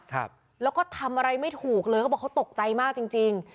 แล้วก็ทำอะไรไม่ถูกเลยก็บอกว่าเขาตกใจจริง